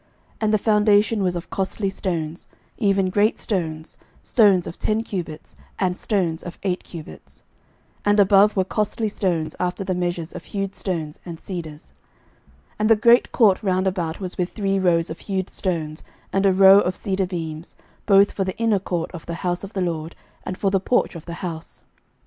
11:007:010 And the foundation was of costly stones, even great stones, stones of ten cubits, and stones of eight cubits. 11:007:011 And above were costly stones, after the measures of hewed stones, and cedars. 11:007:012 And the great court round about was with three rows of hewed stones, and a row of cedar beams, both for the inner court of the house of the LORD, and for the porch of the house.